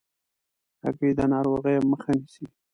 هګۍ د ناروغیو مخه نیسي.